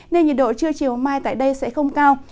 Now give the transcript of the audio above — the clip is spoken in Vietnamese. nên nhiệt độ trưa chiều mai tại đây sẽ không cao